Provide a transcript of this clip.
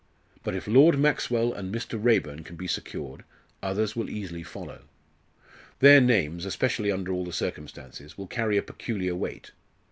But if Lord Maxwell and Mr. Raeburn can be secured, others will easily follow. Their names especially under all the circumstances will carry a peculiar weight.